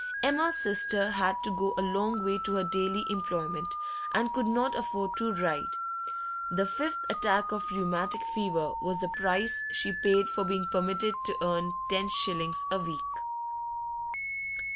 Emma's sister had to go a long way to her daily employment, and could not afford to ride; the fifth attack of rheumatic fever was the price she paid for being permitted to earn ten shillings a week.